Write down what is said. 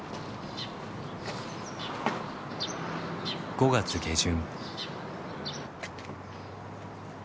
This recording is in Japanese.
５月下旬。